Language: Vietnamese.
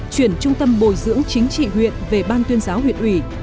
chuyển trung tâm bồi dưỡng chính trị huyện về ban tuyên giáo huyện ủy